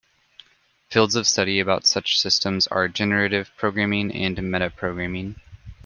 Fields of study about such systems are generative programming and metaprogramming.